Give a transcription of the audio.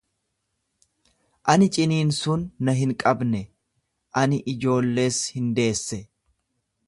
Ani ciniinsuun na hin qabne, ani ijoollees hin deesse.